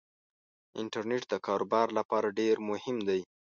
انټرنيټ دکار وبار لپاره ډیرمهم دی